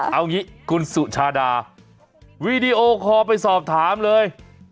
เอางี้คุณสุชาดาวีดีโอคอลไปสอบถามเลย